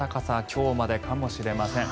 今日までかもしれません。